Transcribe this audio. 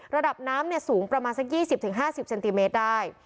ระดับน้ำสูงประมาณสัก๒๐๕๐เซนติเมตรได้